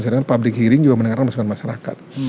saya dengar public hearing juga mendengarkan masyarakat